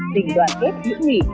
tỉnh đoàn kết những nghị